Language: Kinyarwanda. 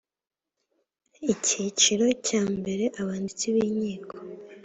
icyiciro cya mbere abanditsi b inkiko